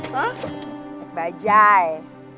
hah naik bajaj